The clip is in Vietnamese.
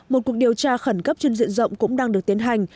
một cuộc điều tra khẩn cấp trên diện rộng cũng đang được tiến hành